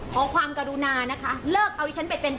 ขอความกรุณานะคะเลิกเอาดิฉันไปเป็น